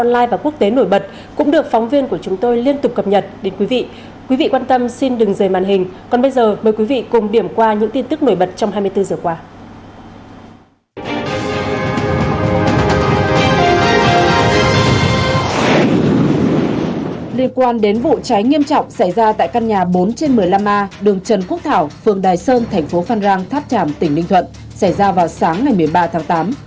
liên quan đến vụ cháy nghiêm trọng xảy ra tại căn nhà bốn trên một mươi năm a đường trần quốc thảo phường đài sơn thành phố phan rang tháp tràm tỉnh ninh thuận xảy ra vào sáng ngày một mươi ba tháng tám